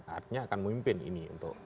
artinya akan memimpin ini untuk